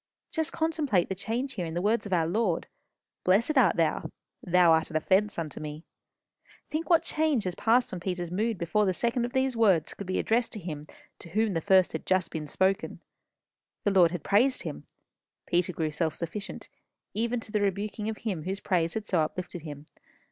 Just contemplate the change here in the words of our Lord. 'Blessed art thou.' 'Thou art an offence unto me.' Think what change has passed on Peter's mood before the second of these words could be addressed to him to whom the first had just been spoken. The Lord had praised him. Peter grew self sufficient, even to the rebuking of him whose praise had so uplifted him.